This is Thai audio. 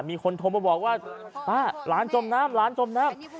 มีคนโทรมาบอกว่าป้าหลานจมน้ำ